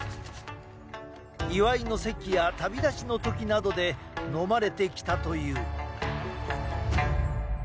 祝いの席や旅立ちの時などで飲まれてきたという。